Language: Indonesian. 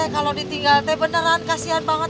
kalo ditinggal beneran kasihan banget